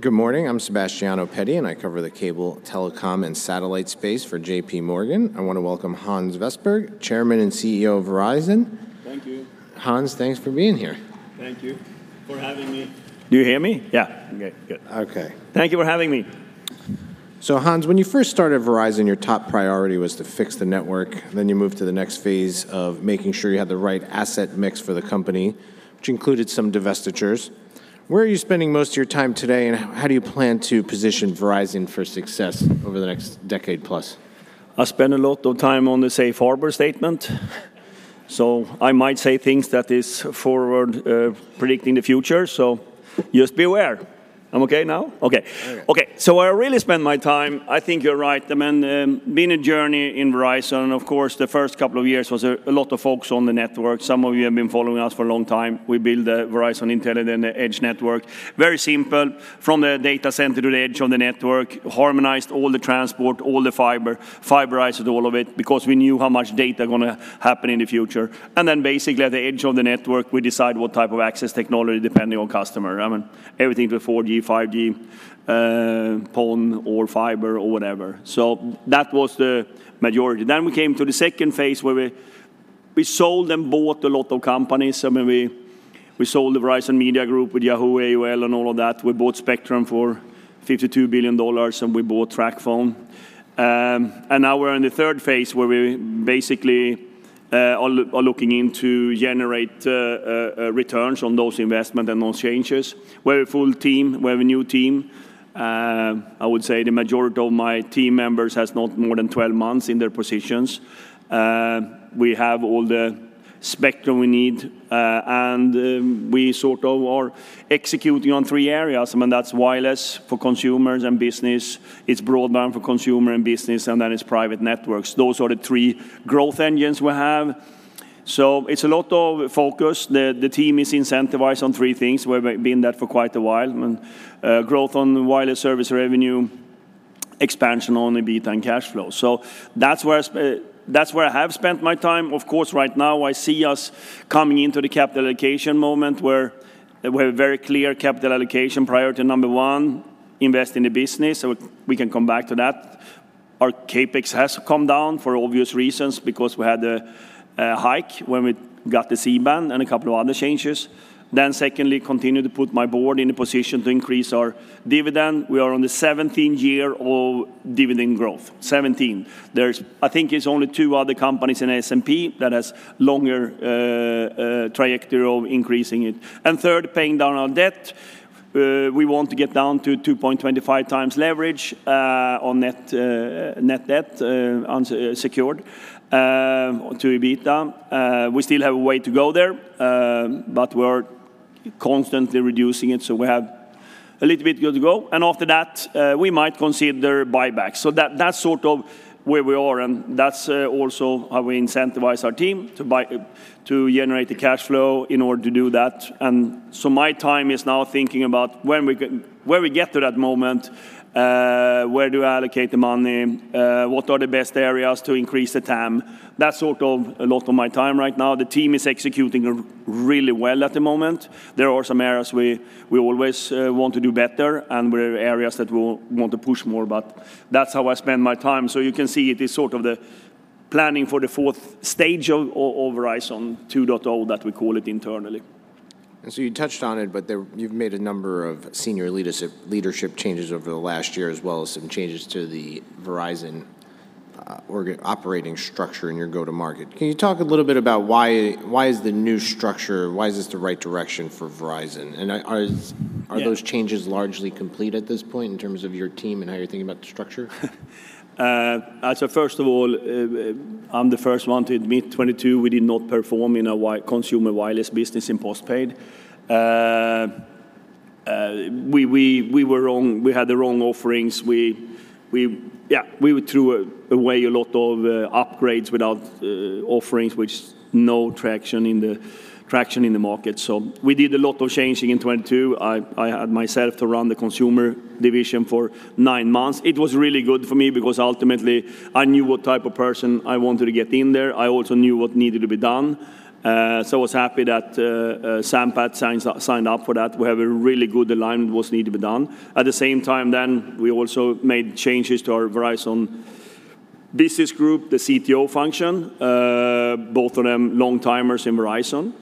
Good morning, I'm Sebastiano Petti, and I cover the cable, telecom, and satellite space for J.P. Morgan. I wanna welcome Hans Vestberg, chairman and CEO of Verizon. Thank you. Hans, thanks for being here. Thank you for having me. Do you hear me? Yeah. Okay, good. Okay. Thank you for having me. Hans, when you first started Verizon, your top priority was to fix the network, then you moved to the next phase of making sure you had the right asset mix for the company, which included some divestitures. Where are you spending most of your time today, and how do you plan to position Verizon for success over the next decade plus? I spend a lot of time on the Safe Harbor Statement. So I might say things that is forward, predicting the future, so just be aware. I'm okay now? Okay. Okay. Okay, so I really spend my time... I think you're right. I mean, been a journey in Verizon, and of course, the first couple of years was a lot of focus on the network. Some of you have been following us for a long time. We built the Verizon Intelligent Edge Network. Very simple, from the data center to the edge on the network, harmonized all the transport, all the fiber, fiberized all of it, because we knew how much data gonna happen in the future. And then basically, at the edge of the network, we decide what type of access technology, depending on customer. I mean, everything to 4G, 5G, PON, or fiber, or whatever. So that was the majority. Then we came to the second phase, where we sold and bought a lot of companies. So maybe we sold the Verizon Media Group with Yahoo, AOL, and all of that. We bought Spectrum for $52 billion, and we bought TracFone. And now we're in the third phase, where we basically are looking to generate returns on those investment and those changes. We have a full team. We have a new team. I would say the majority of my team members has not more than 12 months in their positions. We have all the spectrum we need, and we sort of are executing on three areas, and that's wireless for consumers and business, it's broadband for consumer and business, and then it's private networks. Those are the three growth engines we have. So it's a lot of focus. The team is incentivized on three things. We've been that for quite a while, and growth on the wireless service revenue, expansion on EBIT and cash flow. So that's where that's where I have spent my time. Of course, right now, I see us coming into the capital allocation moment, where we have a very clear capital allocation, priority number one, invest in the business, so we can come back to that. Our CapEx has come down for obvious reasons, because we had a hike when we got the C-band and a couple of other changes. Then secondly, continue to put my board in a position to increase our dividend. We are on the 17th year of dividend growth. 17. There's... I think it's only 2 other companies in S&P that has longer trajectory of increasing it. And third, paying down our debt. We want to get down to 2.25 times leverage on net net debt unsecured to EBITDA. We still have a way to go there, but we're constantly reducing it, so we have a little bit to go. After that, we might consider buybacks. So that's sort of where we are, and that's also how we incentivize our team to generate the cash flow in order to do that. So my time is now thinking about when we get to that moment, where to allocate the money, what are the best areas to increase the TAM. That's sort of a lot of my time right now. The team is executing really well at the moment. There are some areas we always want to do better, and areas that we'll want to push more, but that's how I spend my time. So you can see it is sort of the planning for the fourth stage of Verizon 2.0, that we call it internally. And so you touched on it, but there, you've made a number of senior leadership changes over the last year, as well as some changes to the Verizon operating structure and your go-to-market. Can you talk a little bit about why, why is the new structure, why is this the right direction for Verizon? And are, are- Yeah... are those changes largely complete at this point, in terms of your team and how you're thinking about the structure? So first of all, I'm the first one to admit, 2022, we did not perform in our consumer wireless business in postpaid. We were wrong. We had the wrong offerings. We threw away a lot of upgrades without offerings, which had no traction in the market. So we did a lot of changing in 2022. I had to run the consumer division for nine months. It was really good for me, because ultimately, I knew what type of person I wanted to get in there. I also knew what needed to be done, so I was happy that Sampath signed up for that. We have a really good alignment on what's needed to be done. At the same time then, we also made changes to our Verizon Business Group, the CTO function, both of them long-timers in Verizon.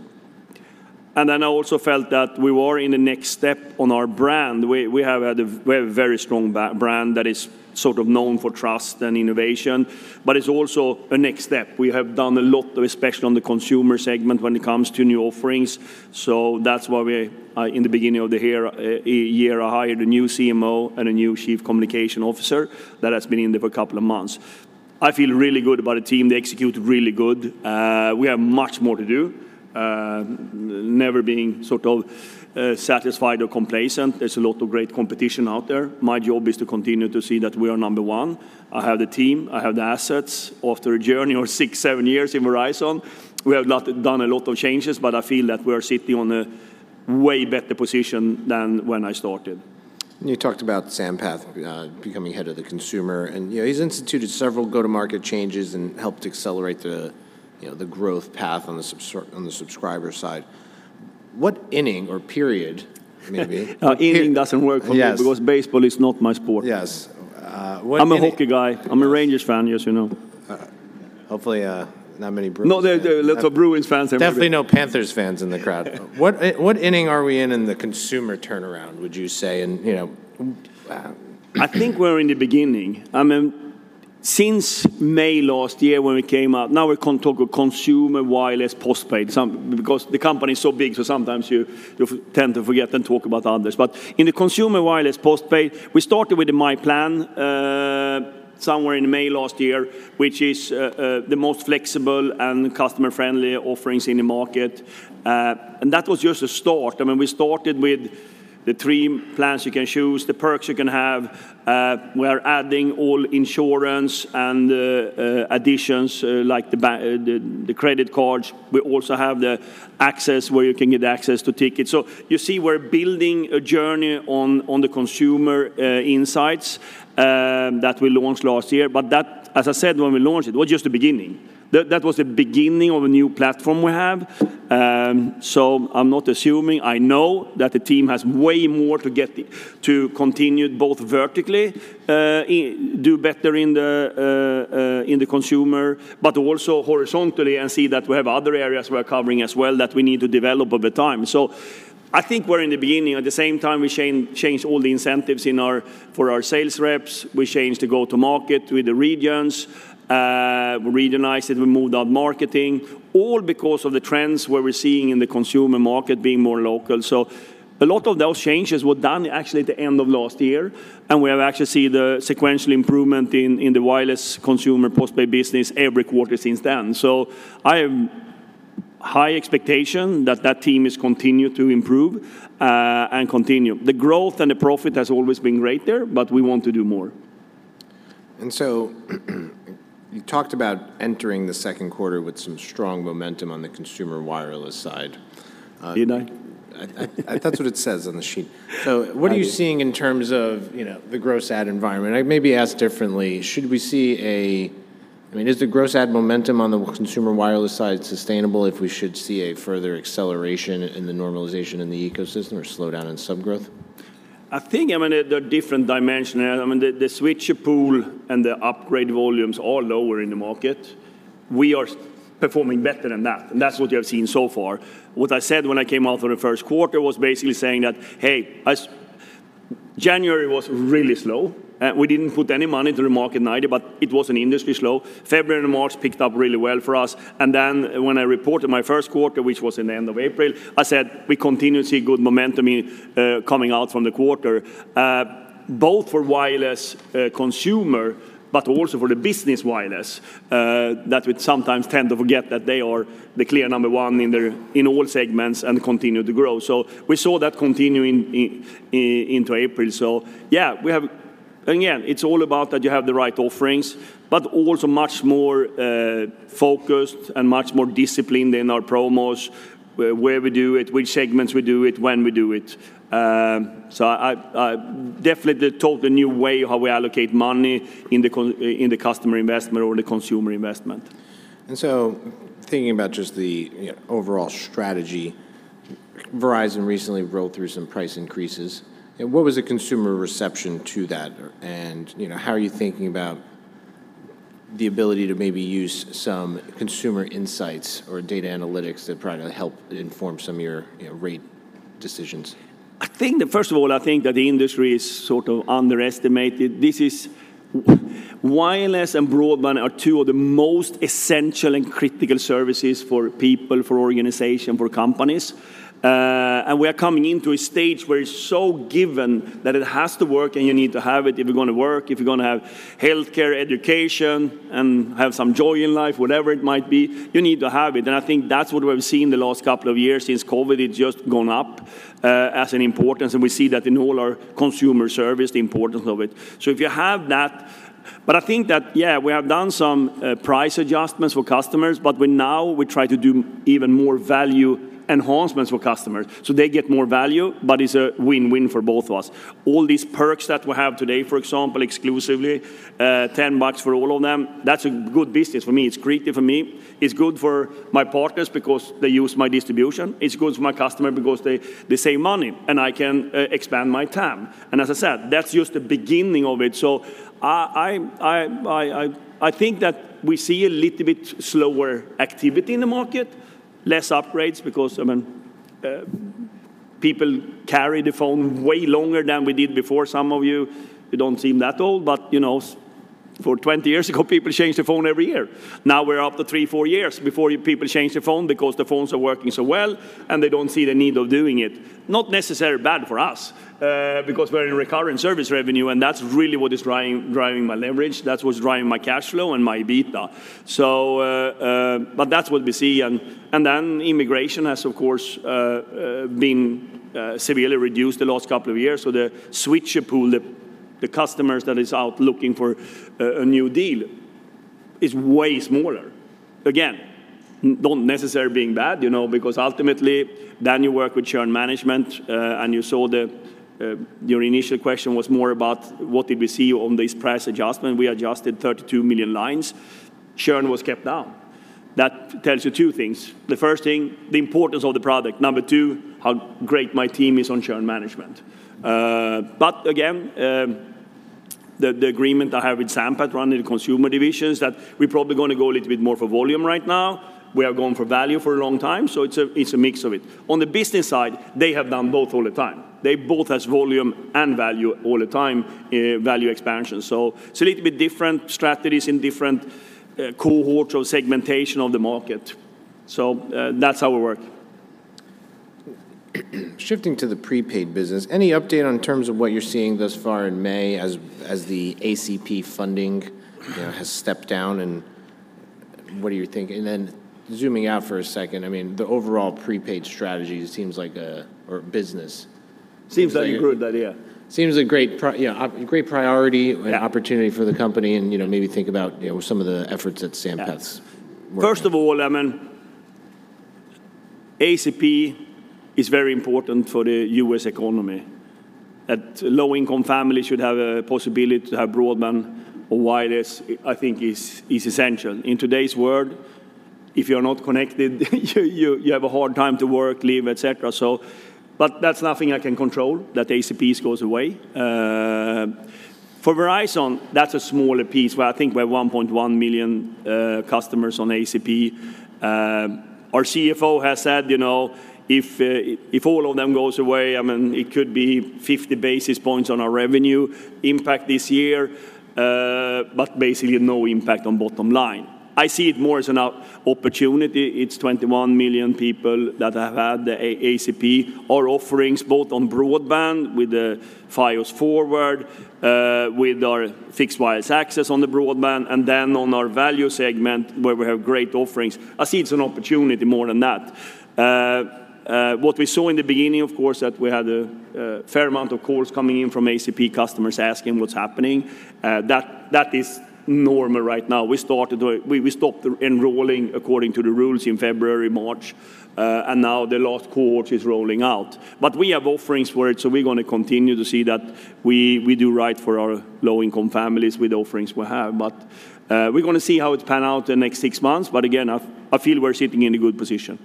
Then I also felt that we were in the next step on our brand. We have had a very, very strong brand that is sort of known for trust and innovation, but it's also a next step. We have done a lot, especially on the consumer segment, when it comes to new offerings, so that's why we, in the beginning of the year, I hired a new CMO and a new Chief Communications Officer that has been in there for a couple of months. I feel really good about the team. They execute really good. We have much more to do. Never being sort of satisfied or complacent. There's a lot of great competition out there. My job is to continue to see that we are number one. I have the team, I have the assets. After a journey of 6-7 years in Verizon, we have done a lot of changes, but I feel that we are sitting on a way better position than when I started. You talked about Sampath becoming head of the consumer, and, you know, he's instituted several go-to-market changes and helped accelerate the, you know, the growth path on the subscriber side. What inning or period, maybe? Evening doesn't work for me- Yes... because baseball is not my sport. Yes. What inning- I'm a hockey guy. Yes. I'm a Rangers fan, yes, you know. Hopefully, not many Bruins fans- No, there are lots of Bruins fans everywhere. Definitely no Panthers fans in the crowd. What inning are we in, in the consumer turnaround, would you say? And, you know, I think we're in the beginning. I mean, since May last year when we came out, now we can talk of consumer wireless postpaid. Because the company is so big, so sometimes you tend to forget and talk about others. But in the consumer wireless postpaid, we started with the myPlan somewhere in May last year, which is the most flexible and customer-friendly offerings in the market. And that was just a start. I mean, we started with the three plans you can choose, the perks you can have. We are adding all insurance and additions like the credit cards. We also have the access, where you can get access to tickets. So you see, we're building a journey on the consumer insights that we launched last year. But that, as I said, when we launched, it was just the beginning. That, that was the beginning of a new platform we have. So I'm not assuming, I know that the team has way more to get it to continue both vertically, do better in the consumer, but also horizontally, and see that we have other areas we are covering as well that we need to develop over time. So I think we're in the beginning. At the same time, we changed all the incentives in our... for our sales reps. We changed the go-to-market with the regions. We regionalized it, we moved out marketing, all because of the trends where we're seeing in the consumer market being more local. So a lot of those changes were done actually at the end of last year, and we have actually seen the sequential improvement in the wireless consumer postpaid business every quarter since then. So I have high expectation that that team is continue to improve, and continue. The growth and the profit has always been great there, but we want to do more. You talked about entering the second quarter with some strong momentum on the consumer wireless side. You know? I, that's what it says on the sheet. I- So what are you seeing in terms of, you know, the gross add environment? I maybe ask differently, should we see a... I mean, is the gross add momentum on the consumer wireless side sustainable if we should see a further acceleration in the normalization in the ecosystem, or a slowdown in sub growth? I think, I mean, the different dimension. I mean, the switcher pool and the upgrade volumes are lower in the market. We are performing better than that, and that's what you have seen so far. What I said when I came out for the first quarter was basically saying that, "Hey, January was really slow, we didn't put any money into the market in Q1, but it was an industry slow. February and March picked up really well for us, and then when I reported my first quarter, which was in the end of April, I said, 'We continue to see good momentum in coming out from the quarter,' both for wireless consumer, but also for the business wireless. That we sometimes tend to forget that they are the clear number one in all segments and continue to grow. So we saw that continuing into April. So yeah, we have... And again, it's all about that you have the right offerings, but also much more focused and much more disciplined in our promos, where we do it, which segments we do it, when we do it. So I definitely talked a new way how we allocate money in the customer investment or the consumer investment. Thinking about just the, you know, overall strategy, Verizon recently rolled through some price increases. What was the consumer reception to that? You know, how are you thinking about the ability to maybe use some consumer insights or data analytics that try to help inform some of your, you know, rate decisions? I think that, first of all, I think that the industry is sort of underestimated. This is... wireless and broadband are two of the most essential and critical services for people, for organization, for companies. And we are coming into a stage where it's so given that it has to work, and you need to have it if you're going to work, if you're going to have healthcare, education, and have some joy in life, whatever it might be, you need to have it. And I think that's what we've seen the last couple of years since COVID, it's just gone up, as an importance, and we see that in all our consumer service, the importance of it. So if you have that... But I think that, yeah, we have done some price adjustments for customers, but we now try to do even more value enhancements for customers, so they get more value, but it's a win-win for both of us. All these perks that we have today, for example, exclusively $10 for all of them, that's a good business for me. It's creative for me. It's good for my partners because they use my distribution. It's good for my customer because they save money, and I can expand my TAM. And as I said, that's just the beginning of it. So I think that we see a little bit slower activity in the market, less upgrades, because I mean people carry the phone way longer than we did before. Some of you, you don't seem that old, but, you know, for 20 years ago, people changed their phone every year. Now, we're up to 3, 4 years before your people change their phone because the phones are working so well, and they don't see the need of doing it. Not necessarily bad for us, because we're in recurring service revenue, and that's really what is driving my leverage. That's what's driving my cash flow and my EBITDA. So, but that's what we see. And then immigration has, of course, been severely reduced the last couple of years, so the switcher pool, the customers that is out looking for a new deal, is way smaller. Again, not necessarily being bad, you know, because ultimately, then you work with churn management, and you saw the... Your initial question was more about what did we see on this price adjustment. We adjusted 32 million lines. Churn was kept down. That tells you two things. The first thing, the importance of the product. Number two, how great my team is on churn management. But again, the agreement I have with Sampath running the consumer division is that we're probably gonna go a little bit more for volume right now. We are going for value for a long time, so it's a mix of it. On the business side, they have done both all the time. They both has volume and value all the time, value expansion. So it's a little bit different strategies in different cohorts or segmentation of the market. So, that's how we work. Shifting to the prepaid business, any update on terms of what you're seeing thus far in May as the ACP funding, you know, has stepped down, and what are you thinking? And then zooming out for a second, I mean, the overall prepaid strategy seems like a... or business- Seems very good idea. Seems a great, yeah, a great priority. Yeah... and opportunity for the company and, you know, maybe think about, you know, some of the efforts that Sampath's working on. First of all, I mean, ACP is very important for the U.S. economy. That low-income families should have a possibility to have broadband or wireless, I think is essential. In today's world, if you're not connected, you have a hard time to work, live, et cetera. So but that's nothing I can control, that ACP goes away. For Verizon, that's a smaller piece, where I think we're 1.1 million customers on ACP. Our CFO has said, you know, if all of them goes away, I mean, it could be 50 basis points on our revenue impact this year, but basically no impact on bottom line. I see it more as an opportunity. It's 21 million people that have had the ACP, our offerings, both on broadband with the Fios Forward, with our fixed wireless access on the broadband, and then on our value segment, where we have great offerings. I see it's an opportunity more than that. What we saw in the beginning, of course, that we had a fair amount of calls coming in from ACP customers asking what's happening. That is normal right now. We started. We stopped enrolling according to the rules in February, March, and now the last cohort is rolling out. But we have offerings for it, so we're gonna continue to see that we do right for our low-income families with offerings we have. But, we're gonna see how it pan out the next six months, but again, I feel we're sitting in a good position.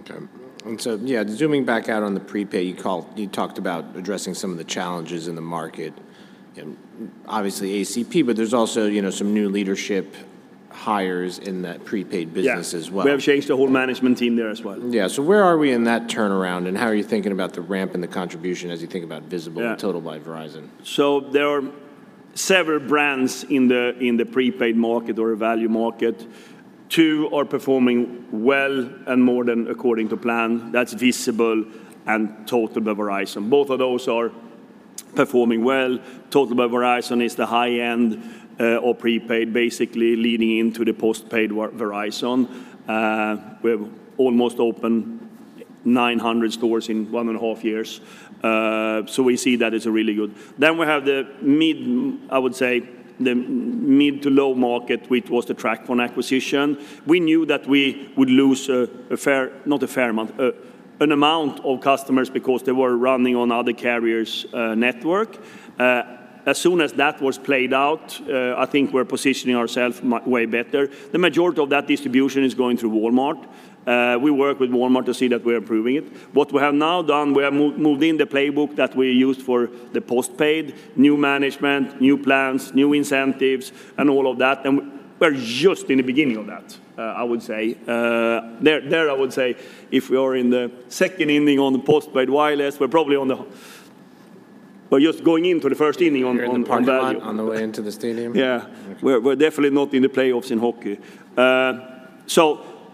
Okay. And so, yeah, zooming back out on the prepaid, you called- you talked about addressing some of the challenges in the market and obviously ACP, but there's also, you know, some new leadership hires in that prepaid business- Yeah... as well. We have changed the whole management team there as well. Yeah. So where are we in that turnaround, and how are you thinking about the ramp and the contribution as you think about Visible- Yeah... and Total by Verizon? So there are several brands in the prepaid market or value market. Two are performing well and more than according to plan. That's Visible and Total by Verizon. Both of those are performing well. Total by Verizon is the high-end prepaid, basically leading into the postpaid Verizon. We've almost opened 900 stores in one and a half years, so we see that is really good. Then we have the mid, I would say, the mid- to low market, which was the TracFone acquisition. We knew that we would lose a fair... not a fair amount, an amount of customers because they were running on other carriers' network. As soon as that was played out, I think we're positioning ourselves way better. The majority of that distribution is going through Walmart. We work with Walmart to see that we're improving it. What we have now done, we have moved in the playbook that we used for the postpaid, new management, new plans, new incentives, and all of that, and we're just in the beginning of that, I would say. I would say, if we are in the second inning on the postpaid wireless, we're probably on the... We're just going into the first inning on the value. You're in the parking lot on the way into the stadium? Yeah. Okay. We're definitely not in the playoffs in hockey.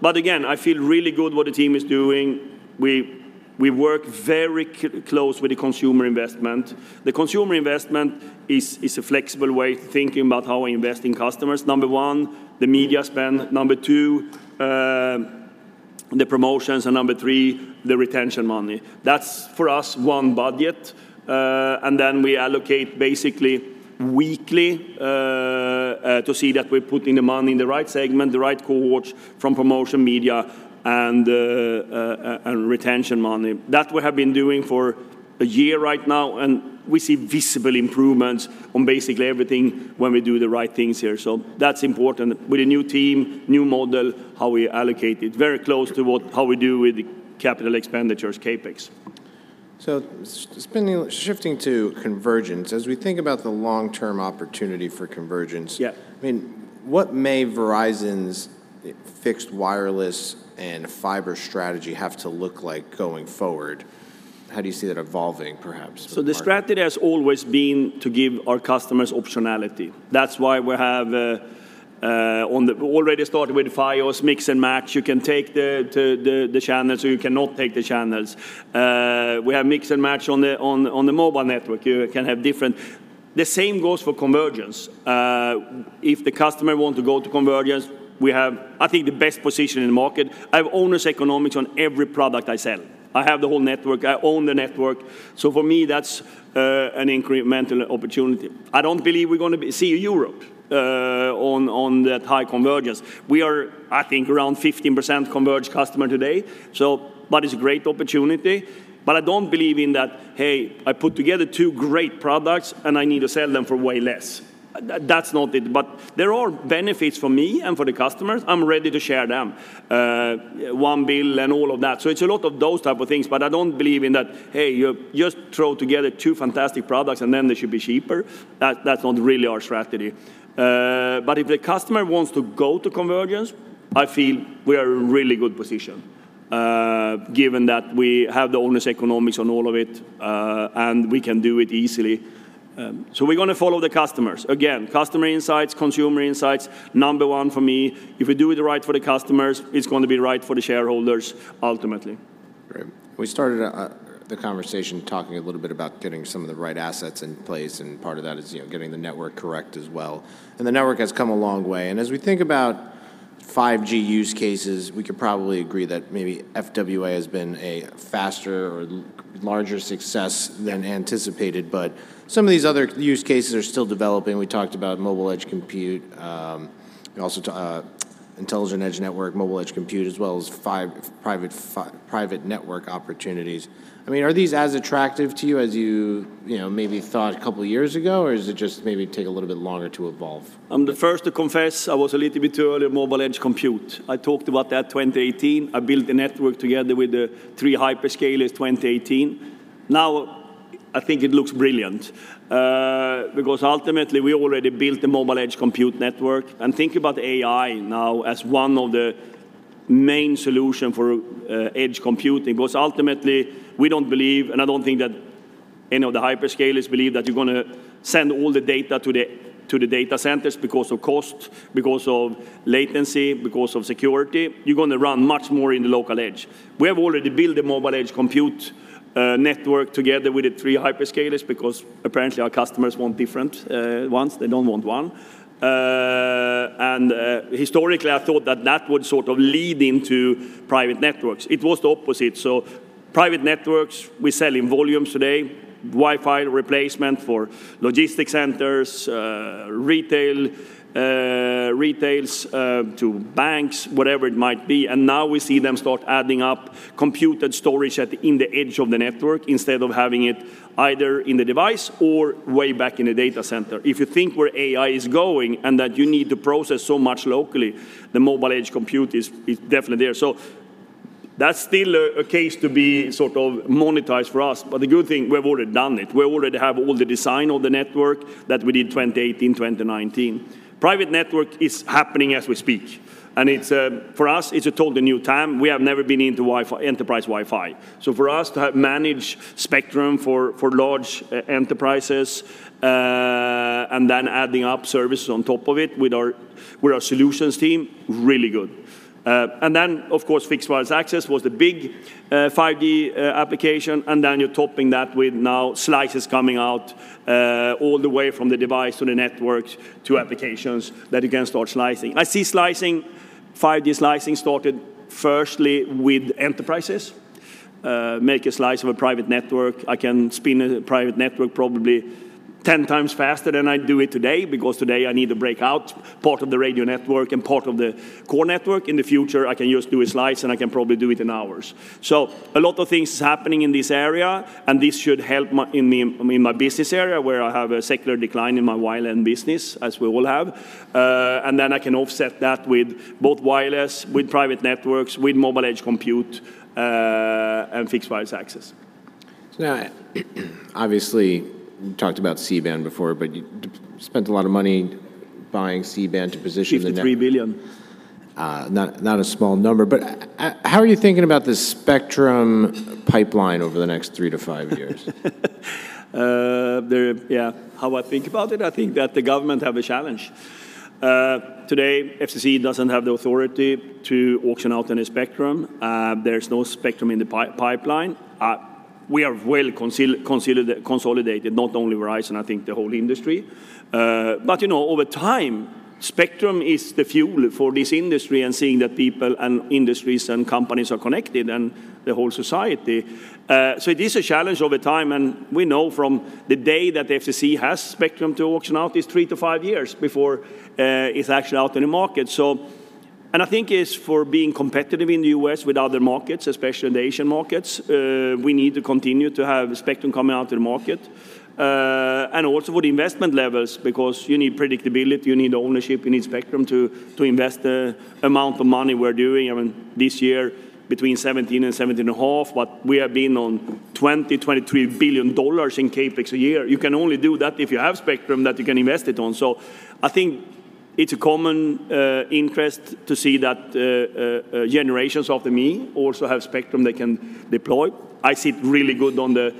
But again, I feel really good what the team is doing. We work very close with the consumer investment. The consumer investment is a flexible way of thinking about how we invest in customers. Number one, the media spend; number two, the promotions; and number three, the retention money. That's, for us, one budget. And then we allocate basically weekly to see that we're putting the money in the right segment, the right cohorts from promotion media, and retention money. That we have been doing for a year right now, and we see visible improvements on basically everything when we do the right things here. So that's important with a new team, new model, how we allocate it, very close to how we do with the capital expenditures, CapEx. Shifting to convergence, as we think about the long-term opportunity for convergence- Yeah... I mean, what may Verizon's fixed wireless and fiber strategy have to look like going forward? How do you see that evolving, perhaps, with the market? So the strategy has always been to give our customers optionality. That's why we have already started with Fios, Mix & Match. You can take the channels, or you cannot take the channels. We have Mix & Match on the mobile network. You can have different... The same goes for convergence. If the customer want to go to convergence, we have, I think, the best position in the market. I have owner's economics on every product I sell. I have the whole network. I own the network. So for me, that's an incremental opportunity. I don't believe we're gonna see Europe on that high convergence. We are, I think, around 15% converged customer today, so but it's a great opportunity. But I don't believe in that, "Hey, I put together two great products, and I need to sell them for way less." That's not it. But there are benefits for me and for the customers. I'm ready to share them, one bill and all of that. So it's a lot of those type of things, but I don't believe in that, "Hey, you just throw together two fantastic products, and then they should be cheaper." That, that's not really our strategy. But if the customer wants to go to convergence, I feel we are in a really good position, given that we have the owner's economics on all of it, and we can do it easily. So we're gonna follow the customers. Again, customer insights, consumer insights, number one for me. If we do it right for the customers, it's going to be right for the shareholders ultimately. Great. We started the conversation talking a little bit about getting some of the right assets in place, and part of that is, you know, getting the network correct as well, and the network has come a long way. And as we think about 5G use cases, we could probably agree that maybe FWA has been a faster or larger success than anticipated, but some of these other use cases are still developing. We talked about Mobile Edge Compute, also, Intelligent Edge Network, Mobile Edge Compute, as well as 5 Private Network opportunities. I mean, are these as attractive to you as you, you know, maybe thought a couple of years ago, or is it just maybe take a little bit longer to evolve? I'm the first to confess, I was a little bit early on mobile edge compute. I talked about that in 2018. I built a network together with the three hyperscalers in 2018. Now, I think it looks brilliant, because ultimately, we already built the mobile edge compute network. And think about AI now as one of the main solution for, edge computing, because ultimately, we don't believe, and I don't think that any of the hyperscalers believe, that you're gonna send all the data to the, to the data centers because of cost, because of latency, because of security. You're gonna run much more in the local edge. We have already built a mobile edge compute, network together with the three hyperscalers because apparently our customers want different, ones. They don't want one. Historically, I thought that that would sort of lead into private networks. It was the opposite. So private networks, we sell in volumes today, Wi-Fi replacement for logistics centers, retail, retails, to banks, whatever it might be, and now we see them start adding up compute and storage at the edge of the network instead of having it either in the device or way back in the data center. If you think where AI is going and that you need to process so much locally, the Mobile Edge Compute is definitely there. So that's still a case to be sort of monetized for us, but the good thing, we've already done it. We already have all the design of the network that we did in 2018, 2019. Private network is happening as we speak, and it's for us, it's a totally new time. We have never been into enterprise Wi-Fi. So for us to have managed spectrum for large enterprises, and then adding up services on top of it with our solutions team, really good. And then, of course, fixed wireless access was the big 5G application, and then you're topping that with now slices coming out, all the way from the device to the network to applications that you can start slicing. I see slicing, 5G slicing, started firstly with enterprises. Make a slice of a private network. I can spin a private network probably 10 times faster than I do it today, because today I need to break out part of the radio network and part of the core network. In the future, I can just do a slice, and I can probably do it in hours. So a lot of things is happening in this area, and this should help my, in the, I mean, my business area, where I have a secular decline in my wireline business, as we all have. And then I can offset that with both wireless, with Private Networks, with Mobile Edge Compute, and Fixed Wireless Access. So now, obviously, you talked about C-Band before, but you spent a lot of money buying C-Band to position the net- Fifty-three billion. Not a small number, but how are you thinking about the spectrum pipeline over the next 3-5 years? Yeah, how I think about it, I think that the government have a challenge. Today, FCC doesn't have the authority to auction out any spectrum. There's no spectrum in the pipeline. We are well consolidated, not only Verizon, I think the whole industry. But, you know, over time, spectrum is the fuel for this industry and seeing that people and industries and companies are connected and the whole society. So it is a challenge over time, and we know from the day that the FCC has spectrum to auction out is 3-5 years before it's actually out in the market. I think it's for being competitive in the U.S. with other markets, especially the Asian markets, we need to continue to have spectrum coming out to the market, and also for the investment levels, because you need predictability, you need ownership, you need spectrum to invest the amount of money we're doing. I mean, this year, between 17 and 17.5, but we have been on $20-$23 billion in CapEx a year. You can only do that if you have spectrum that you can invest it on. So I think it's a common interest to see that generations after me also have spectrum they can deploy. I sit really good on the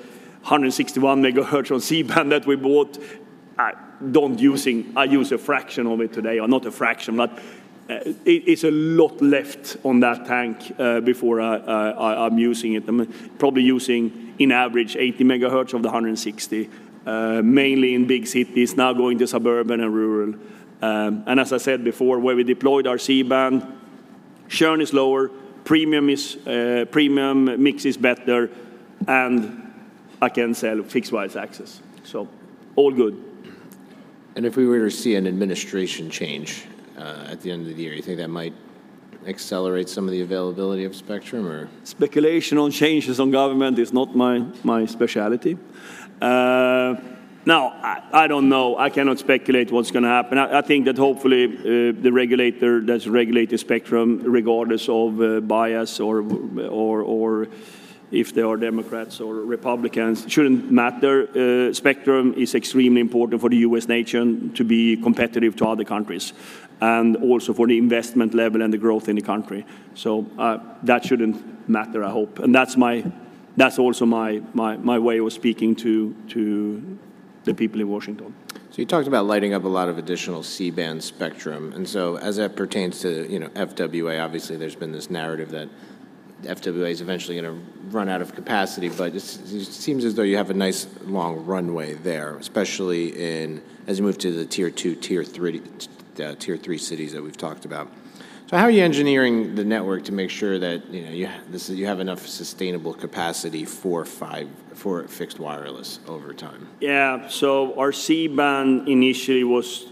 161 MHz on C-Band that we bought. I use a fraction of it today, or not a fraction, but it's a lot left on that tank before I'm using it. I'm probably using, on average, 80 MHz of the 160 MHz, mainly in big cities, now going to suburban and rural. And as I said before, where we deployed our C-Band, churn is lower, premium mix is better, and I can sell fixed wireless access, so all good. If we were to see an administration change at the end of the year, you think that might accelerate some of the availability of spectrum, or? Speculation on changes on government is not my specialty. Now, I don't know. I cannot speculate what's gonna happen. I think that hopefully, the regulator does regulate the spectrum regardless of bias or if they are Democrats or Republicans, shouldn't matter. Spectrum is extremely important for the U.S. nation to be competitive to other countries, and also for the investment level and the growth in the country. So, that shouldn't matter, I hope, and that's my, that's also my way of speaking to the people in Washington. So you talked about lighting up a lot of additional C-Band spectrum, and so as that pertains to, you know, FWA, obviously there's been this narrative that FWA is eventually gonna run out of capacity. But it seems as though you have a nice long runway there, especially in, as you move to the tier two, tier three, tier three cities that we've talked about. So how are you engineering the network to make sure that, you know, you have enough sustainable capacity for fixed wireless over time? Yeah. So our C-Band initially was,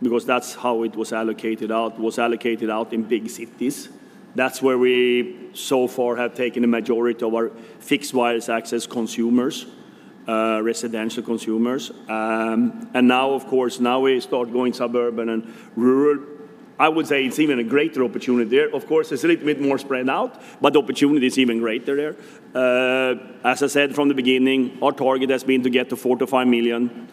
because that's how it was allocated out, was allocated out in big cities. That's where we so far have taken the majority of our fixed wireless access consumers, residential consumers. And now, of course, now we start going suburban and rural. I would say it's even a greater opportunity there. Of course, it's a little bit more spread out, but the opportunity is even greater there. As I said from the beginning, our target has been to get to 4-5 million.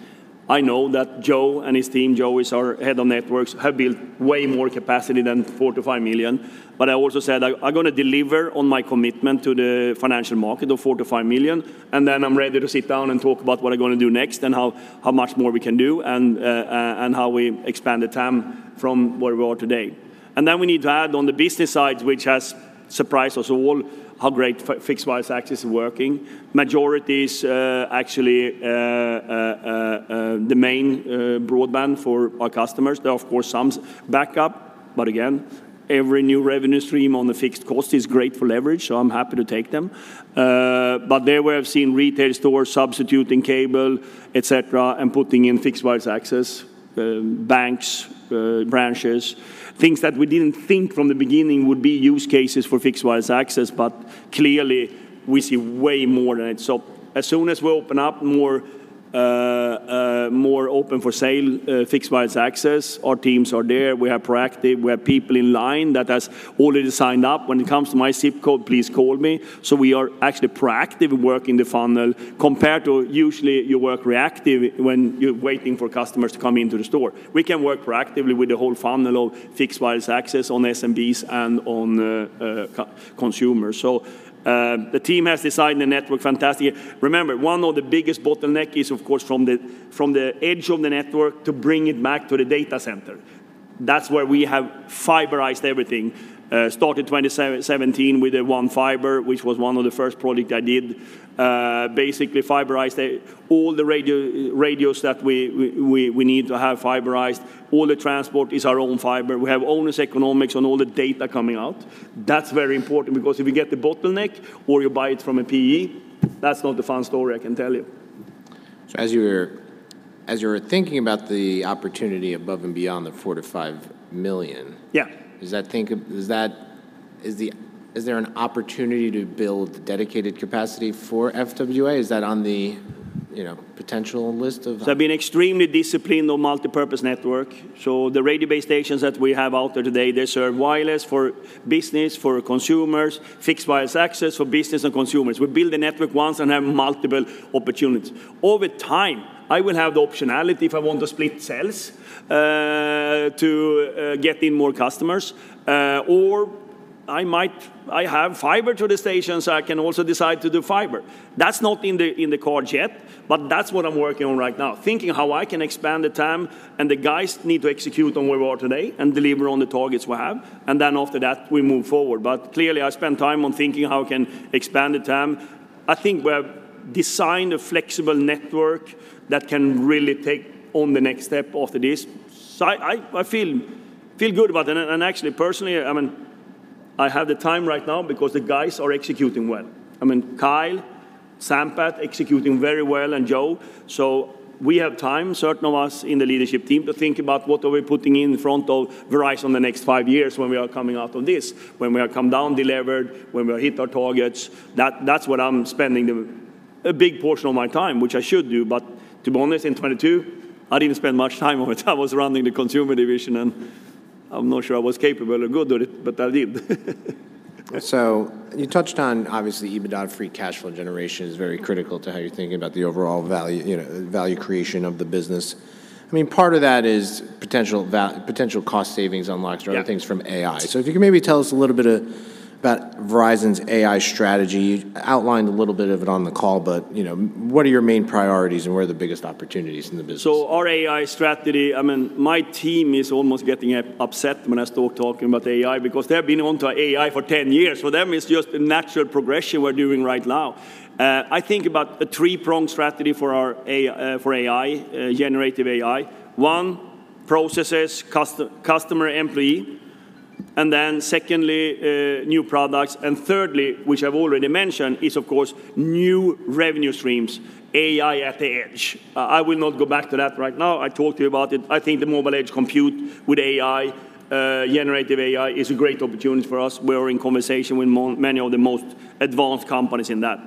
I know that Joe and his team, Joe is our head of networks, have built way more capacity than 4-5 million. But I also said I'm gonna deliver on my commitment to the financial market of 4-5 million, and then I'm ready to sit down and talk about what I'm gonna do next, and how much more we can do, and how we expand the TAM from where we are today. And then we need to add on the business side, which has surprised us all, how great fixed wireless access is working. Majority is actually the main broadband for our customers. There are, of course, some backup, but again, every new revenue stream on the fixed cost is great for leverage, so I'm happy to take them. But there we have seen retail stores substituting cable, et cetera, and putting in fixed wireless access, banks, branches, things that we didn't think from the beginning would be use cases for fixed wireless access, but clearly we see way more than it. So as soon as we open up more, more open for sale, fixed wireless access, our teams are there. We are proactive. We have people in line that has already signed up, "When it comes to my zip code, please call me." So we are actually proactive in working the funnel, compared to usually you work reactive when you're waiting for customers to come into the store. We can work proactively with the whole funnel of fixed wireless access on SMBs and on the consumer. So, the team has designed the network fantastic. Remember, one of the biggest bottleneck is, of course, from the edge of the network to bring it back to the data center. That's where we have fiberized everything. Started 2017 with the One Fiber, which was one of the first project I did. Basically fiberized all the radios that we need to have fiberized. All the transport is our own fiber. We have owners' economics on all the data coming out. That's very important, because if you get the bottleneck or you buy it from a PE, that's not a fun story I can tell you. As you're thinking about the opportunity above and beyond the 4-5 million- Yeah ... does that think, is there an opportunity to build dedicated capacity for FWA? Is that on the, you know, potential list of- So I've been extremely disciplined on multipurpose network. So the radio base stations that we have out there today, they serve wireless for business, for consumers, fixed wireless access for business and consumers. We build the network once and have multiple opportunities. Over time, I will have the optionality if I want to split cells, to get in more customers, or I might... I have fiber to the station, so I can also decide to do fiber. That's not in the cards yet, but that's what I'm working on right now, thinking how I can expand the TAM, and the guys need to execute on where we are today and deliver on the targets we have, and then after that, we move forward. But clearly, I spend time on thinking how I can expand the TAM. I think we have designed a flexible network that can really take on the next step after this. So I feel good about it, and actually, personally, I mean, I have the time right now because the guys are executing well. I mean, Kyle, Sampath executing very well, and Joe. So we have time, certain of us in the leadership team, to think about what are we putting in front of Verizon the next five years when we are coming out of this, when we are come down delivered, when we hit our targets. That's what I'm spending a big portion of my time, which I should do, but to be honest, in 2022, I didn't spend much time on it. I was running the consumer division, and I'm not sure I was capable or good at it, but I did. So you touched on, obviously, EBITDA free cash flow generation is very critical to how you're thinking about the overall value, you know, value creation of the business. I mean, part of that is potential cost savings on locks- Yeah... or other things from AI. So if you could maybe tell us a little bit about Verizon's AI strategy. You outlined a little bit of it on the call, but, you know, what are your main priorities, and where are the biggest opportunities in the business? So our AI strategy, I mean, my team is almost getting upset when I start talking about AI, because they've been onto AI for 10 years. For them, it's just a natural progression we're doing right now. I think about a three-pronged strategy for our AI, for AI, generative AI. One, processes, customer, employee. And then secondly, new products, and thirdly, which I've already mentioned, is, of course, new revenue streams, AI at the edge. I will not go back to that right now. I talked to you about it. I think the mobile edge compute with AI, generative AI, is a great opportunity for us. We are in conversation with many of the most advanced companies in that....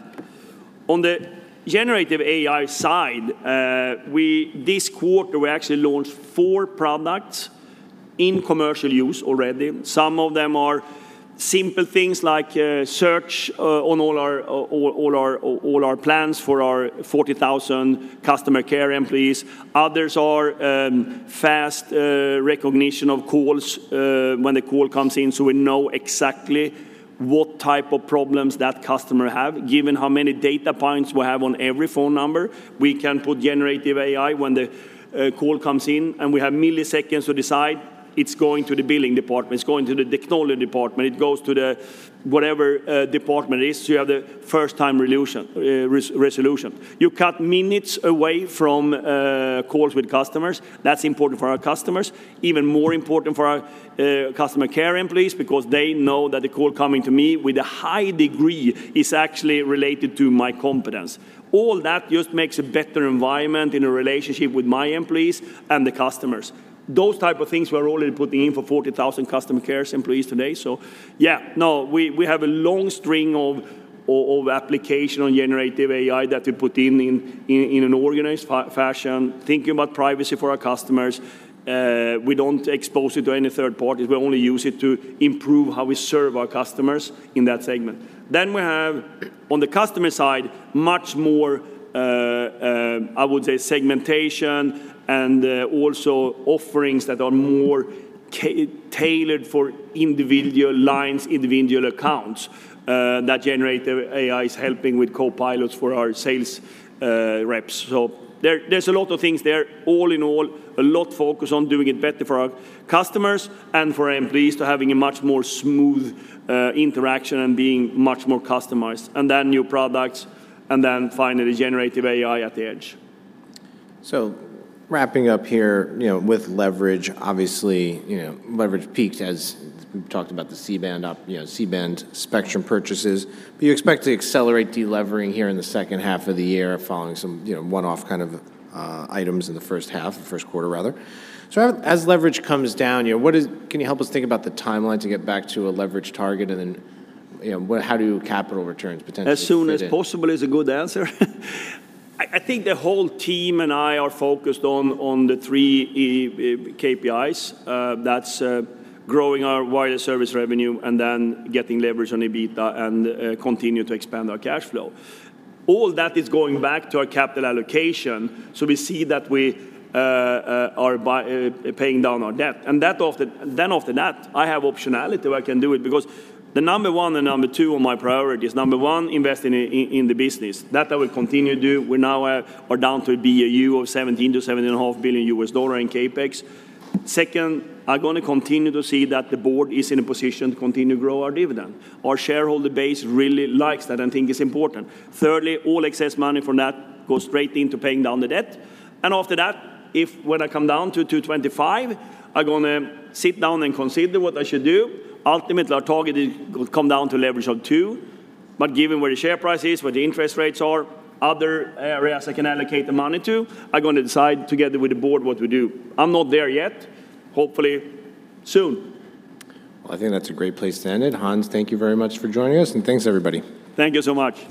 On the generative AI side, we, this quarter, we actually launched 4 products in commercial use already. Some of them are simple things like search on all our plans for our 40,000 customer care employees. Others are fast recognition of calls when the call comes in, so we know exactly what type of problems that customer have. Given how many data points we have on every phone number, we can put generative AI when the call comes in, and we have milliseconds to decide it's going to the billing department, it's going to the technology department, it goes to the whatever department it is, so you have the first-time resolution. You cut minutes away from calls with customers. That's important for our customers. Even more important for our customer care employees, because they know that the call coming to me with a high degree is actually related to my competence. All that just makes a better environment in a relationship with my employees and the customers. Those type of things we're already putting in for 40,000 customer care employees today. So yeah, no, we have a long string of of application on generative AI that we put in in an organized fashion, thinking about privacy for our customers. We don't expose it to any third parties. We only use it to improve how we serve our customers in that segment. Then we have, on the customer side, much more, I would say segmentation and also offerings that are more tailored for individual lines, individual accounts. That generative AI is helping with copilots for our sales reps. So there, there's a lot of things there. All in all, a lot focus on doing it better for our customers and for our employees to having a much more smooth interaction and being much more customized, and then new products, and then finally, generative AI at the edge. So wrapping up here, you know, with leverage, obviously, you know, leverage peaked as we've talked about the C-Band up, you know, C-Band spectrum purchases. Do you expect to accelerate delevering here in the second half of the year following some, you know, one-off kind of, items in the first half, the first quarter, rather? So as leverage comes down, you know, what is... Can you help us think about the timeline to get back to a leverage target? And then, you know, what, how do capital returns potentially fit in? As soon as possible is a good answer. I think the whole team and I are focused on the three KPIs. That's growing our wireless service revenue, and then getting leverage on EBITDA, and continue to expand our cash flow. All that is going back to our capital allocation, so we see that we are paying down our debt. And then after that, I have optionality where I can do it, because the number one and number two on my priorities, number one, investing in the business. That I will continue to do. We now are down to a BAU of $17 billion-$17.5 billion in CapEx. Second, I'm gonna continue to see that the board is in a position to continue to grow our dividend. Our shareholder base really likes that, and I think it's important. Thirdly, all excess money from that goes straight into paying down the debt. After that, if when I come down to 2.25, I'm gonna sit down and consider what I should do. Ultimately, our target is come down to leverage of 2. But given where the share price is, where the interest rates are, other areas I can allocate the money to, I'm going to decide together with the board what we do. I'm not there yet. Hopefully soon. Well, I think that's a great place to end it. Hans, thank you very much for joining us, and thanks, everybody. Thank you so much.